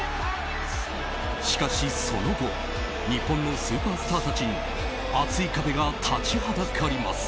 しかし、その後日本のスーパースターたちに厚い壁が立ちはだかります。